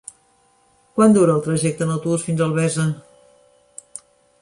Quant dura el trajecte en autobús fins a Albesa?